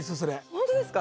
本当ですか？